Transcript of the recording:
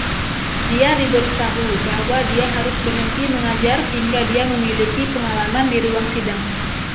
Dia diberitahu bahwa dia harus berhenti mengajar hingga dia memiliki pengalaman di ruang sidang.